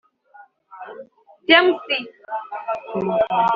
James